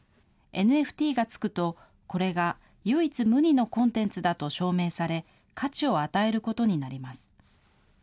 ＮＦＴがつくと、これが唯一無二のコンテンツだと証明され、価値を与えることになります。